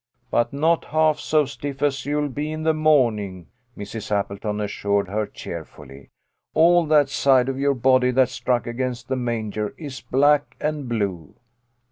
" But not half so stiff as you'll be in the morning," Mrs. Appleton assured her, cheerfully. "All that side of your body that struck against the manger is black and blue."